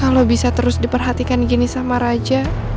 kalau bisa terus diperhatikan gini sama raja